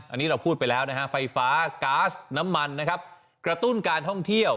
อันนี้เราพูดไปแล้วนะฮะไฟฟ้าก๊าซน้ำมันนะครับกระตุ้นการท่องเที่ยว